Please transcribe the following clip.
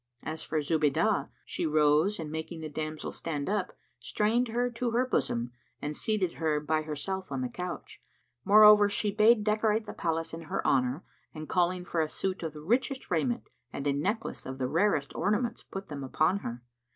As for Zubaydah, she rose and making the damsel stand up, strained her to her bosom and seated her by herself on the couch. Moreover, she bade decorate the palace in her honour and calling for a suit of the richest raiment and a necklace of the rarest ornaments put them upon her.